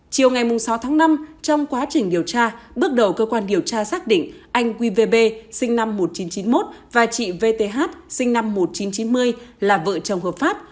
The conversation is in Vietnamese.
chiều ngày sáu tháng năm trong quá trình điều tra bước đầu cơ quan điều tra xác định anh qvb sinh năm một nghìn chín trăm chín mươi một và chị vth sinh năm một nghìn chín trăm chín mươi là vợ chồng hợp pháp